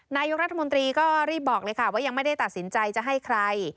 นายกรัฐมนตรีก็รีบบอกเลยค่ะว่ายังไม่ได้ตัดสินใจจะให้ใคร